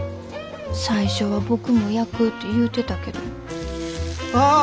最初は僕も焼くって言うてたけど。